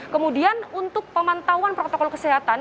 kemudian untuk pemantauan protokol kesehatan